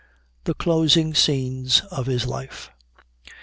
THE CLOSING SCENES OF HIS LIFE.